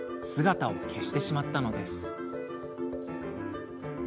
姿を消してしまったのです。